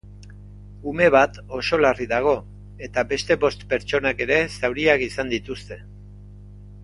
Ume bat oso larri dago eta beste bost pertsonak ere zauriak izan dituzte.